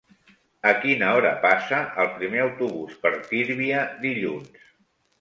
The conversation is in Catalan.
A quina hora passa el primer autobús per Tírvia dilluns?